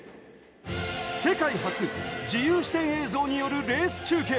世界初、自由視点映像によるレース中継。